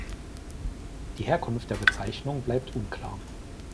Die Herkunft der Bezeichnung bleibt unklar.